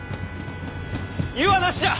湯はなしじゃ！